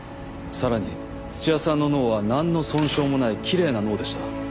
さらに土屋さんの脳は何の損傷もないキレイな脳でした。